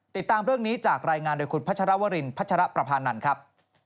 ติดตามเรื่องนี้จากรายงานโดยคุณพัชรวรินพัชรประพานันทร์ครับ